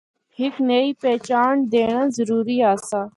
ہک نئی پہچانڑ دینڑا ضروری آسا۔